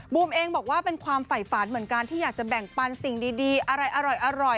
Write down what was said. เองบอกว่าเป็นความฝ่ายฝันเหมือนกันที่อยากจะแบ่งปันสิ่งดีอะไรอร่อย